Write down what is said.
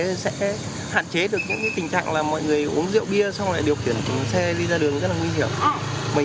nên sẽ hạn chế được những tình trạng là mọi người uống rượu bia xong lại điều khiển xe đi ra đường rất là nguy hiểm